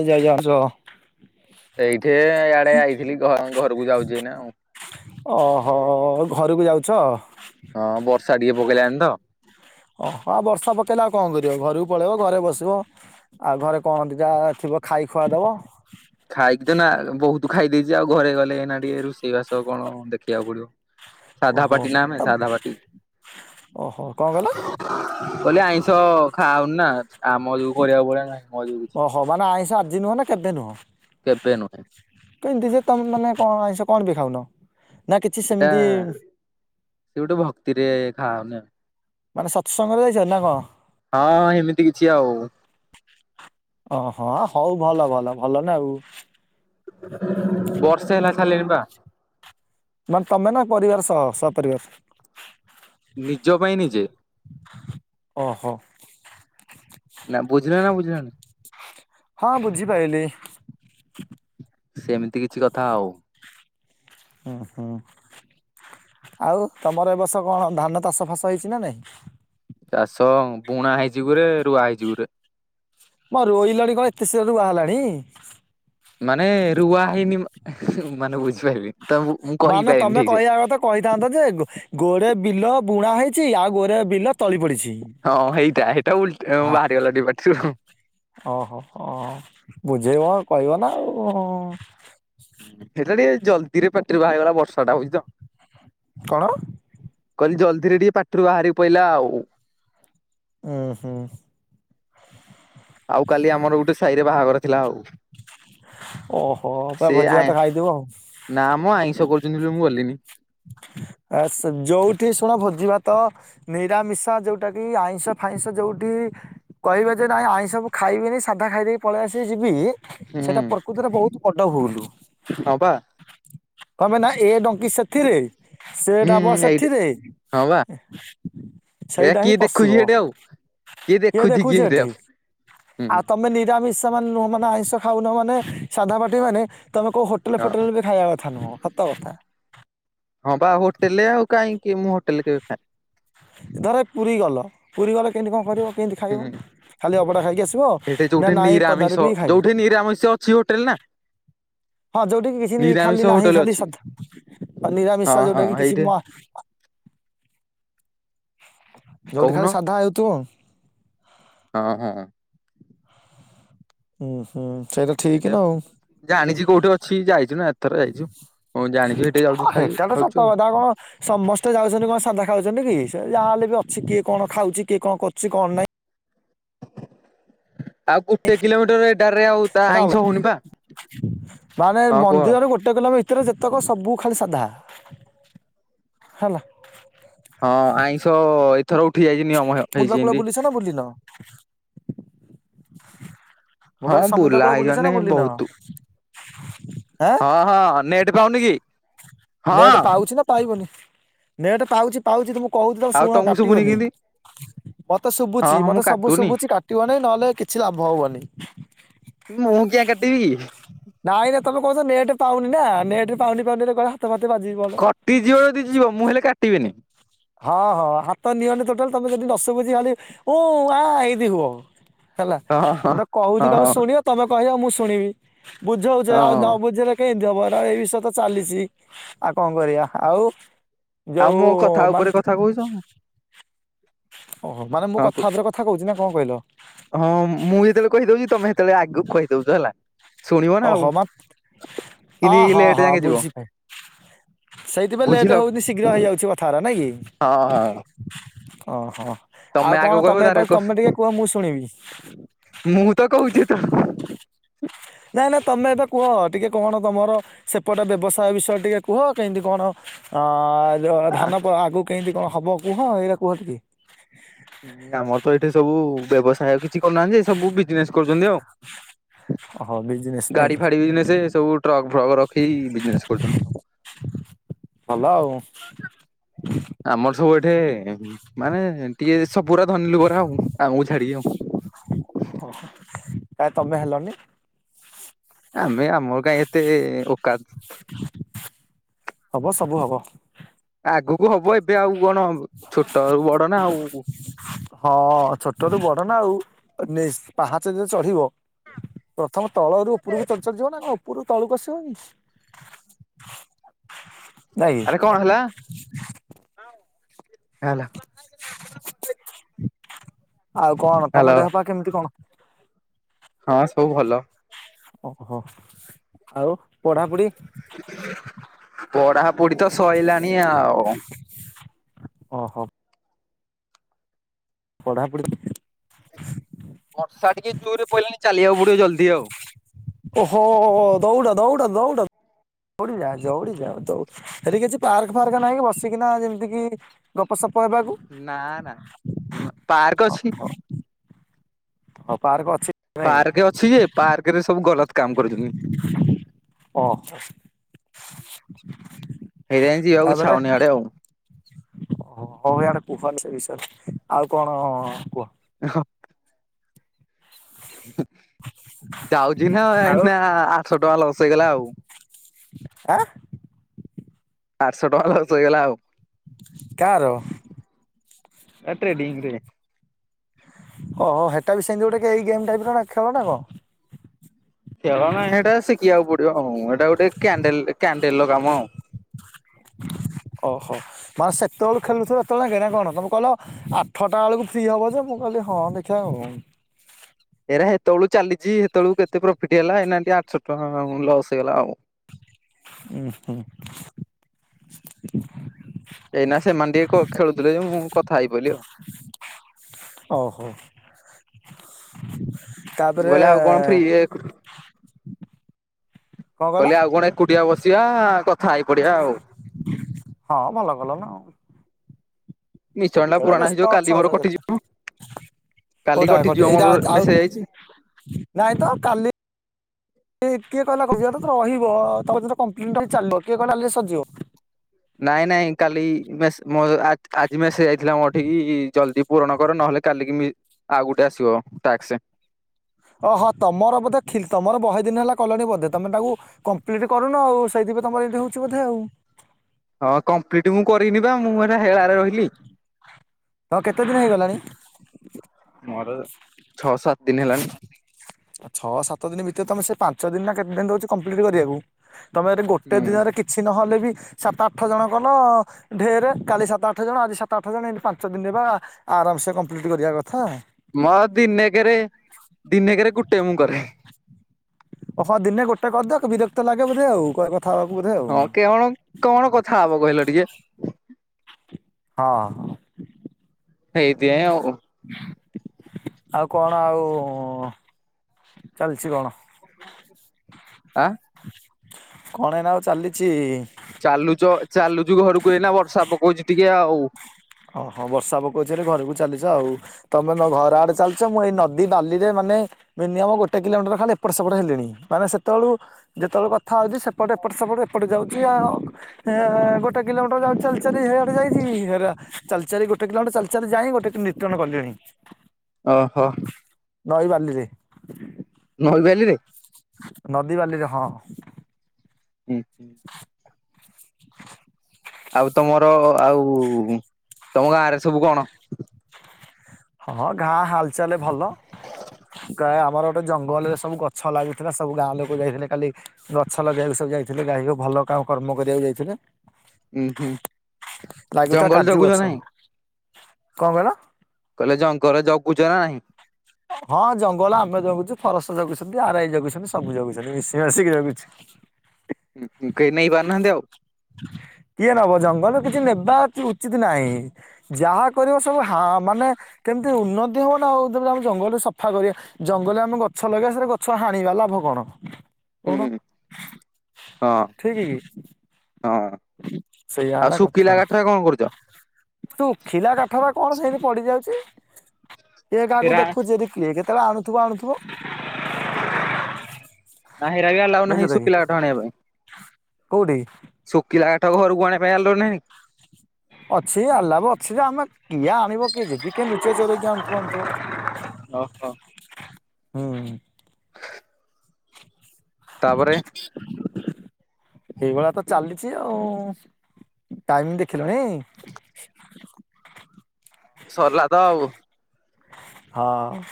ଯାଇ ଯାଇ ଯାଣିଛ। ଏଇଠି ଇଡେ ଆଇଥିଲି ଘରକୁ ଯାଉଛି ଏଇନା ଆଉ। ଓହୋ ଘରକୁ ଯାଉଛ। ହଁ ବର୍ଷା ଟିକେ ପକେଇଲାଣି ତ। ଓହୋ ଆଉ ବର୍ଷା ପକେଇଲେ ଆଉ କଣ କରିବ ଘରକୁ ପଳେଇବ ଘରେ ବସିବ। ଆଉ ଘରେ କଣନ୍ତି ଯାହା ଥିବ ଖାଇ ଖୁଆଦବ। ଖାଇକି ତ ନା ବହୁତ ଖାଇ ଦେଇେଇଛି ଆଉ ଘରେ ଗଲେ ଏନା ଟିକେ ରୋଷେଇ ବାସ କଣ ଦେଖିବାକୁ ପଡିବ। ଓହୋ ସାଧାପାଟି ନା ତ ଆମେ ସାଧାପାଟି। ଓହୋ କଣ କହିଲ। ଖାଉନ ନା ଆମ ଯଉ କରିବା ଭଳିଆ ନାହିଁ [unintelligible] ଓହୋ ମାନେ ଆଇଁଷ ଆଜି ନୁହଁ ନା କେବେ ନୁହଁ। କେବେ ନୁହେଁ। କେମତି ଯେ ତମ ମାନେ କଣ ଆଇଁଷ କଣ ପିଇଁ ଖାଉନ? ନା କିଛି ଏଇଟା ସେମିତି [inaudible] ସେ ଗୋଟେ ଭକ୍ତିରେ ଖା ହଉନି ଆଉ ମାନେ ସତ୍ସଙ୍ଗରେ ଯାଇଛ ନା କଣ? ହଁ ଏମିତି କିଛି ଆଉ [inaudible] ହଁ ହଉ ଭଲ ଭଲ ଭଲ ନା ଆଉ। ଗଲେଣିବା। ମାନେ ତମେ ନା ପରିବାର ସହ ସପରିବାର। ନିଜ ପାଇଁ ନିଜେ ଓହୋ [inaudible] ନା ବୁଝିଲ ନା ବୁଝିଲନି। [inaudible] ହଁ ବୁଝିପାଇଲି। ସେମିତି କିଛି କଥା ଆଉ ଉଁ ହୁଁ। ଆଉ ତମର ଏ ବର୍ଷ କଣ ଧାନ ଚାଷ ଫାସ ହେଇଛି ନା ନାଇଁ। ଚାଷ ବୁଣା ହେଇଛି ଗୁରେ ରୁଆ ହେଇଛି ଗୁରେ। ବରଓଲାଣି କଣ ଏତେ ଶୀଘ୍ର ଭାହାରିଲାଣି। ମାନେ ରୁଆ ହେଇନି ମାନେ ବୁଝିପାଇଲେକି। ମାନେ ତମେ କହିବା କଥା କହିଥାନ୍ତ ଯେ ଗୋଡ଼େ ବିଲ ବୁଣାହେଇଛି। ଆଉ ଗୋରେ ବିଲ ତଳି ପଡିଛି ହଁ ହେଇଟା ହେଇଟା ଉଲ [inaudible] ହଁ। ବାହାରିଗଲା ଟିକେ ପାଟିରୁ। [inaudible] ଓହୋ ହ ବୁଝେଇବା କହିବା ନା ଆଉ ସେଟା ଟିକେ ଜଲ୍ଦି ରେ ପାଟିରୁ ବାହାରିଗଲା ବର୍ଷା ଟା ହଉଛି ତ। କଣ [inaudible] କହିଲି ଜଲଦିରେ ଟିକେ ପାଟିରୁ ବାହାରିକି ପଇଲା ଆଉ [inaudible] ଉଁ ହୁଁ। [inaudible] ଆଉ କାଲି ଆମର ଗୋଟେ ସାହି ରେ ବାହାଘର ଥିଲା ଆଉ [inaudible] [inaudible] ଓହୋ ପୁରା ସେ ଭୋଜି ଭାତ ଖାଇଥିବ ଆଉ ନା ମୋ ଆଇଁଷ କରୁଛନ୍ତି ବୋଲି ମୁଁ ଗଲିନି। ଅଚ୍ଛା ଯୋଉଠି ଶୁଣ ଭୋ ଯିବା ତ ନିରାମିଶ ଯୋଉଟା କି ଆଇଁଷ ଫାଇଁଷ ଯୋଉଠି କହିବେ ଯେ ନାଇ ଆଇଁଷ। ସବୁ ଖାଇବନି ସାଧା ଖାଇଦେଇକି ପଳେଇ ଆସି ଯିବି ହୁଁ ସେଇଟା ପ୍ରକୃତିରେ ବହୁତ ବଡ ଭୁଲ। ହଁ ପା। ତମେ ନା ଏ ଡଙ୍ଗ୍ ଥିରେ ସେ ହୁଁ ଡାବ ହୁଁ ଏଇଠି ସେଥିରେ ହଁ ବା ଏ ସେଇଟା ହିଁ କିଏ ପଶିବ। ଦେଖୁଛି ସେଠି ଆଉ କିଏ ଦେଖୁଛି ଦେଖୁଚି ସେଠି ଏଠି। ଆଉ। ହୁଁ ଆଉ ତମେ ନିରାମିଷ ମାନ ନୁହ ମାନେ ଆଇଁ ଷ ଖାଉନ ମାନେ ସାଧା ପାଟି ମାନେ ତମେ କୋଉ ହୋଟେଲ ହଁ ଫୋଟେଲରେ ବି ଖାଇବା କଥା ନୁହଁ। ସତ୍ ତ କଥା। ହଁ ବା ହୋଟେଲରେ ଆଉ କାହିଁକି ମୁଁ ହୋଟେଲରେ କେବେ ଖାଏ ଧର ପୁରୀ ଗଲ ପୁରୀ ଗଲେ କେମତି କଣ କରିବ? କେମତି ଖାଇବ? ହୁଁ। ଖାଲି ଅବଢ଼ା ଖାଇକି ଆସିବ ସେଇଠି ନା ଯୋଉଠି ନାଇଁ ନିରାମିଷ ପଦାରେ ବି ଖାଇବ। ଯୋଉଠି ନିରାମିଷ ଅଛି ହୋଟେଲ ନା ହଁ ଯୋଉଠି କି କିଛି ନି ନିରାମିଷ ଖାଲି ନାହିଁ ହୋଟେଲ ଖାଲି ଅଛି ସାଧା ହଁ ନିରାମିଷ ହଁ ଯୋଉଟାକି କିଛି ହେଇଠି ମ ଯୋଉଠି କହୁନ ଖାଲି ସାଧା ହେଉଥିବ। ହଁ ହଁ। ହୁଁ ହୁଁ। ଠିକ ସେଇଟା ନା ଆଉ ଜାଣିଚି କୋଉଠି ଅଛି ଯାଇଚି ନା ଏତଥର ଯାଇଚି। ହଁ ହେଟା ତ ସତ କଥା କଣ ସମସ୍ତେ ଯାଉଚନ୍ତି କଣ ସାଦା ଖାଉଚନ୍ତି କି? ସିଏ ଯାହା ହେଲେ ବି ଅଛି କିଏ କଣ ଖାଉଚି? କିଏ କଣ କରୁଚି କଣ ନାହିଁ? ଆଉ ଗୋଟେ କିଲୋମିଟର ରେଡାର ରେ ଆଉ ତ ସେଟା ଅଲଗା ଆଇଁଷ ହଉନି ବା। ମାନେ ମନ୍ଦିରରୁ ଗୋଟେ କିଲୋମି ଭିତରୁ ଯେତକ ସବୁ ଖାଲି ସାଧା ହେଲା। ହଁ ଆଇଁଷ ଏଥର ଉଠି ଯାଇଚି ନିୟମ। ହେଇଛି ମୁଦ୍ର କୂଳ ଏମିତି। ବୁଲିଛ ନା ବୁଲି ନ? ମୁଁ ହଁ କହଲି ସମୁଦ୍ର ବୁଲା କୂଳ ବୁଲିଛ ହେଇଗଲେ ନା ବୁଲି ନ? ବହୁତ ହଁ ହଁ ନେଟ ପାଉନି କି? ହଁ ନେଟ ପାଉଛି ନା ପାଇବନି। ନେଟ ପାଉଚି ପାଉଚି ଯେ ମୁଁ କହୁଚି ତମେ ଆଉ ଶୁଣ ତମକୁ ଶୁଭୁନି କାଟିବନି। କେମିତି ମତେ ହଁ ଶୁବୁଚି ହଁ ମୁଁ ମତେ ସବୁ କାଟୁନି। ଶୁବୁଚି କାଟିବ ନାହିଁ ନହେଲେ କିଛି ଲାଭ ହବନି। ମୁଁ କିଆଁ କାଟିବି ନାଇଁ ନା ତମେ କହୁଛ ନେଟ ପାଉନି ନା ନେଟ ପାଉନି ପାଉନିରେ କଣ କଟିଯିବ ଯଦି ଯିବ ମୁଁ ହେଲେ କାଟିବିନି। ହଁ ହଁ ହାତ ନିଅନି ଟୋଟାଲ ତମେ ଯଦି ନ ଶୁଭୁଛି ଖାଲି ଉଁ ଆଁ ଇନ୍ତି ହୁଅ। ହେଲା ହଁ ହଁ। ମୁଁ ତ କହୁଛି ହଁ ତମେ ହଁ। ଶୁଣିବ ତମେ କହିବ ମୁଁ ଶୁଣିବି। ବୁଝଉଛି ଆଉ ହଁ। ନ ବୁଝେଇଲେ କେଁତି ହବ। ଏଇ ବିଷୟ ତ ଚାଲିଛି ଆଉ କଣ କରିବା ଆଉ ଆଉ ଯୋଉ ମୋ କଥା ମାନ। ଉପରେ କଥା କହୁଛ ଓହୋ ମାନେ ମୁଁ ହଁ କୁ କଥା ଉପରେ କଥା କହୁଛି ନା କଣ କହିଲ। ହଁ ମୁଁ ଯେତେବେଳେ କହିଦଉଛି ତମେ ସେତେବେଳେ ଆଗକୁ କହିଦଉଛ ହେଲା। ଶୁଣିବ ନା ଆଉ ଓହୋ ମ ଅ କିନ୍ତି ହ ଲେଟ୍ ହ ଯାକେ ଯିବ ବୁଝିପାଇଲି। ସେଇଥିପାଇଁ ଲେଟ୍ ବୁଝିଲ ହଉନି ଶୀଘ୍ର ହେଇଯାଉଛି କଥାଗୁରା ନାଇଁ କି। ହଁ ହଁ। ଓହୋ। ଆଉ ତମେ କଣ ଆଗ କହିବ ତାରେ କୋସ ତମେ ଟିକେ କୁହ ମୁଁ ଶୁଣିବି। ମୁଁ ତ କହୁଛି। ତ ନାଇଁ ନାଇଁ ତମେ ଏବେ କୁହ ଟିକେ କଣ ତମର ସେପଟ ବ୍ୟବସାୟ ବିଷୟରେ ଟିକେ କୁହ କେଁତି କଣ। ଆ ଧ ଆ ଧାନ ଆଗକୁ କେଁତି କଣ ହବ କୁହ ଏଇରା କୁହ ଟିକେ। ହୁଁ ଆମର ତ ଏଠି ସବୁ ବ୍ୟବସାୟ କି କିଛି କରୁନାହାନ୍ତି ଏ ସବୁ ବିଜନେସ କରୁଛନ୍ତି ଆଉ। ଓହୋ ବିଜନେସ ନାଇଁ ଗାଡି କି ଫାଡି ବିଜନେସ ସବୁ ଟ୍ରକ୍ ଫ୍ରକ ରଖି ବିଜନେସ କରୁଛନ୍ତି। ଭଲ ଆଉ। ଥେ ମାନେ ଟିକେ। ସବୁ ଗୁରା ଧନୀ ଲୋକ ଗୁରା ଆଉ ଆମକୁ ଛାଡିକି ଆଉ। କାଇ ତମେ ହେଲନି। ଆମେ ଆମର କାଇଁ ଏତେ ଓକାତ। ହବ ସବୁ ହବ। ଆଗୁକୁ ହବ ଏବେ ଆଉ କଣ ଛୋଟ ବଡ ନା ଆଉ। ହଁ ଛୋଟରୁୁ ବଡ ନା ଆଉ ନେଶ୍ ପାହାଚ ଯିଏ ଚଢିବ ପ୍ରଥମ। ତଳରୁ ଉପରକୁ ଚଢି ଚଢ଼ୀ ଯିବ ନା କଣ ଉପରୁ ତଳକୁ ଆସିବ ହାରି। ଆରେ କଣ ହେଲା ହେଲା। ଆଉ କଣ ତମ ହ୍ୟାଲୋ ଦେହ ପା କେମିତି କଣ? ହଁ ସବୁ ଭଲ। ଓହୋ ଆଉ ପଢାପଢି। ପଢା ପୋଢି ତ ସଇଲାଣି ଆଉ। ଓହୋ। ପଢ଼ାପଢ଼ି। ବର୍ଷା ଟିକେ ଜୋର ରେ ପଇଲାଣି ଚାଲିିବାକୁ ପଡିବ ଜଲ୍ଦି ଆଉ। ହୋ ଦଉଡ ଦଉଡ ଦଉଡ। ଦୋଉଡ଼ି ଯା ଜଉଡ଼ି ଜା ଦଉ ସେଠି କିଛି ପାର୍କ ଫାର୍କ ନହିଁ କି ବସିକିନା ଯେମିତି କିି। ଗପସପ ହେବାକୁ। ନା ନା ପାର୍କ ଅଛି ହଁ ପାର୍କ ଅଛି। ନାଇଁ ପାର୍କ କି ଅଛି ଯେ ପାର୍କ ରେ ସବୁ ଗଲତ କାମ କରୁଛନ୍ତି ଓ ହୋ। [inaudible] ହେଇଥି ପାଇଁ ଜିଆକୁ ଇଛା ହଉନି ସାଡେ ଆଉ। ଓ ହୋ ହଉ ଇଆଡେ କୁହନି ସେ ବିଷୟରେ ଆଉ କଣ କୁହ। [inaudible] [unintelligible] ଯାଉଛି ନା ଆଉ ଏଇନା ଆଠଶ ଟଙ୍କା ଲସ ହେଇଗଲା ଆଉ। [inaudible] ଆଠଶ ଟଙ୍କା ଲସ ହେଇଗଲା ଆଉ। କାର। ଏ ଟ୍ରେଡିଙ୍ଗ ରେ ଓୋ ହେଟା ବି ସେମତି ଗୁଟେ ଗେ ଏଇ ଗେମ୍ ଟାଇପ ର ଖେଳ ନା କଣ। ଓ ଏଇଟା ଗୋଟେ କଣ୍ଡଲ ଟେ କ୍ୟାଣ୍ଡେଲ ର କାମ। ଓହୋ ମାନେ ସେତେବେଳୁ ଖେଳୁନଥିଲୁ ଏତେବେଳେ ନାକେ ନା କଣ ତମେ କହିଲ ଆଠଟା ବେଳକୁ ଫ୍ରି ହେବ ଯେ ମୁଁ କହିଲି ହଁ ଦେଖିଆ ଆଉ। [unintelligible] ସେତବେଳୁ ଚାଲିଛି ଏତବେଳୁ କୁ କେତେ ପ୍ରଫିଟ ହେଲା ଏନା ଟି ଆଠଶହ ଟଙ୍କା ଲସ୍ ହେଇଗଲା ଆଉ। ଉଁ ହୁଁ। ଏଇନା ସେମାନେ ଟିକେ କ ଖେଳୁଥିଲେ ଯେ ମୁଁ କଥା ହେଇ ପଇଲି ଆଉ। ଓହୋ ମୁଁ ତାପରେ କହିଲି ଆଉ କଣ ଫ୍ରି କଣ କହିଲ କହିଲି ଆଉ କଣ ଏକୁଟିଆ ବସିବା କ ହଁ ଭଲ କଲ ନା। ମିଶନ ଟା ଯେତେବେଳେ ପୁରାଣା ହେଇଯିବ ବ୍ୟସ୍ତ କାଲି ଅଛ ମୋର ଅଛ କଟିଯିବ ଯେତେ କାଲି କୋଉଟା କଟିଯିବ ଗୋଟେ ମୋର ଏଇଟା ଆଉ ମେସେଜ ଆଇଛି। ନାଇଁ ତ ଆଉ କାଲି ଲି କିଏ କହିଲା କରିଛି ଏଇଟା ତ ରହିବତମେ [inaudible] ଚାଲିବ କିଏ କହିଲା [inaudible] ସରିଯିବ। ନାଇଁ ନାଇଁ କାଲି ମେସେ ମ ଆ ଆଜି ମେସେଜ ଯାଇଥିଲା ମୋ ଠିକି ଜଲଦି ପୂରଣ କର ନହେଲେ ଲେ କାଲିକି ମି ଆଉ ଗୋଟେ ଆସିବ ଟାକ୍ସ। [inaudible] ଓହଁ ତମର ବୋଧେ ଥି ତମର ବହେ ଦିନ ହେଲା କଲଣି ବୋଧେ ତମେ ତାକୁ କମ୍ପ୍ଲିଟ୍ କରୁନ ଆଉ ସେଇଦିନ ଏବେ ତମର ଏମିତି ହଉଛି ବଧେ ଆଉ। ହଁ କମ୍ପ୍ଲିଟ ମୁ କରିନି ବା ମୁଁ ଏଣେ ହେଳାରେ ରହିଲି। ହଁ କେତେ ଦିନ ହେଇଗଲାଣି। ମୋର ଛଅ ସାତ ଦିନ ହେଲାଣି। ଛଅ ସାତ ଦିନ ଭିତରେ ତମେ ସେ ପାଞ୍ଚ ଦିନ ନା କେତେ ଦିନ ରହୁଛି କମ୍ପ୍ଲିଟ କରିବାକୁ। ତମେ ଗୋଟେ ହୁଁ। ଦିନରେ କିଛି ନହଲେ ବି ସାତ ଆଠ ଜଣ କଲ ଢେରେ କାଲି ସାତ ଆଠ ଜଣ ଆଜି ସାତ ଆଠ ଜଣ ଏଠି ପାଞ୍ଚ ଦିନ ରେ ପା ଆରାମ ସେ କମ୍ପ୍ଲିଟ୍ କରିବା କଥା। ମୋର ଦିନେ କେରେ ଦିନେ କେରେ ଗୁଟେ ମୁଁ କରେ। ଓହଁ ଦିନେ ଗୋଟେ କରିଦିଅ ବିରକ୍ତ ଲାଗେ ବୋଧେ ଆଉ କହି ହଁ କିଅଣ କଣ କଥା ହବ କହିଲ ଟିକେ। ହଁ। ହେଇଥି ପାଇଁ ଆଉ। [inaudible] ଆଉ କଣ ଆଉ ଚାଲିଛି କଣ। ଆଁ। କଣ ଏନା ଆଉ ଚାଲିଛି। ଚାଲୁଛ ଚାଲୁଚୁ ଘରୁକୁ ଏଇନା ବର୍ଷା ପକଉଛି ଟିକେ ଆଉ। ଓ ହଁ ବର୍ଷା ପକଉଛି ବୋଲି ଘରୁକୁ ଚାଲିଛ ଆଉ ତମେ ତମ ଘର ଆଡେ ଚାଲୁଛ ମୁଁ ଏଇ ନଦୀ ଦି ବାଲିରେ ମାନେ ମିନିମମ୍ ଗୋଟେ କିଲୋମିଟର ଖାଲି ଏପଟ ସେପଟ ହେଲିଣି ମାନେ ସେତେବେଳୁ ଯେତେବେଳୁ କ ଥା ହଉଛି ସେପଟେ ଏପଟ ସେପଟ ଏପଟେ ଯାଉ ଛି ଆଉ ସେ ଗୋଟେ କିଲୋମିଟର ଯାଉଛି ଚାଲି ଚାଲି ହେଆଡେ ଯାଇଛି ରା ଚାଲ ଚାଲି ଗୋଟେ କିଲୋମିଟର ଚାଲ ଚାଲି ଯାଇଁ ଗୋଟେ ନିଦ୍ରଣ କଲିଣି। ଅ ହଁ। ନଈ ବାଲିରେ। ନଈ ବାଲିରେ। ନଦୀ ବାଲିରେ ହଁ। [inaudible] [inaudible] ଆଉ ତମର ଆଉ ତମ ଗାଁରେ ସବୁ କଣ ହଁ ଗାଁ ହାଲଚାଲ ଭଲ ଗା ଆମର ଗୋଟେ ଜଙ୍ଗଲରେ ସବୁ ଗଛ ଲାଗୁଥିଲା ସବୁ ଗାଁ ଲୋକ ଯାଇଥିଲେ କାଲି ଗଛ ଲଗେଇବାକୁ ସବୁ ଯାଇଥିଲେ ଯାଇ ହୋଉ ଭ ଭଲ କ କର୍ମ କରିବାକୁ ଯାଇଥିଲେ ଉଁ ହୁଁ ଲାଗୁଥିଲା ଜଙ୍ଗଲ କାଜୁ ଜଗୁଛ ଗଛ। ନାହିଁ କଣ କହିଲ? କହିଲେ ଜଙ୍ଗଲ ଜଗୁଛ ନା ନାହିଁ? ହଁ ଜଙ୍ଗଲ ଆମେ ଜଗୁଛୁ ଫରେସ ଜଗୁଛନ୍ତି ଆରାଇ ଜଗୁଛନ୍ତି ସବୁ ଜଗୁଛନ୍ତି ମିଶି ମାଶିକି ଜଗୁଚୁ। କେହି ନେଇ ପାରୁନାହାନ୍ତି ଆଉ। କିଏ ନବ ଜଙ୍ଗଲରୁ କିଛି ନେବା କିଛି ଉଚିତ ନାହିଁ ଯାହା କରିବ ସବୁ ହା ମାନେ କେମିତି ଉନ୍ନତି ହବ ନା ଆଉ ତମେ ଜାନ ଜଙ୍ଗଲରେ ସଫା କରିବା ଜଙ୍ଗଲରେ ଆମେ ଗଛ ଲଗେଇବା ସେଟା ଗଛ ହାଣିବା ଲାଭ କଣ? ହୁଁ କଣ ହଁ ଠିକ କି। ହଁ ସେଇଆ ଆଉ ହେଲା କଥା ଶୁଖିଲା କାଠରେ କଣ କରୁଛ? ତୁ ଖିଲା କା ଘରା କଣ ସେଇଠ ପଡି ଯାଉଛି। କିଏ କାହାକୁ ହେରା ଦେଖୁଚି ଯଦି କିଏ କେତେବେଳେ ଆଣୁଥିବ ଆଣୁଥିବ। ନାଁ ହେରା ବି ଆଲାଉ ନାହିଁ ବୁଝିଲ କି ଶୁଖିଲା କାଠ ଆଣିବା ପାଇଁ। କୋଉଠି, ଶୁଖିଲା କାଠ ଘରକୁ ଆଣିବା ପାଇଁ ଆଲାଉ ନାହିଁ? ଅଛି ଆଲାଉ ଅଛି ଯେ ଆମେ କିଏ ଆଣିବ କି ଯେଦି କିଏ ଲୁଚେଇ ଚୋରେଇକି ଆଣୁଥିବ ଆଣୁଥିବ। [inaudible] ଓହୋ। ହୁଁ ଉଁ ତାପରେ ଏଇଭଳିଆ ତ ଚାଲିଛି ଆଉ ଟାଇମ ଦେଖିଲଣି? ସରିଲା ତ ଆଉ। ହଁ ଅଂ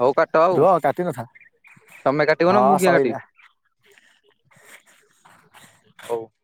ହଉ କାଟ ଆଉ ତମେ କାଟିବ ନା ହଁ ମୁଁ କିଆଁ ସଇଲା। କାଟିବି। ହଉ।